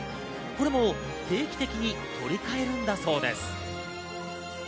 これも定期的に取り替えるんだそうです。